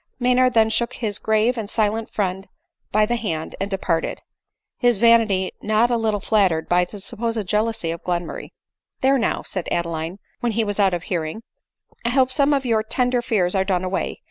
Maynard then shook his grave and silent friend by the hand and departed — his vanity not a little flattered by the supposed jealousy of Glenmurray. " There now," said Adeline, when he was out of hear ing, " I hope some of your tender fears are done away.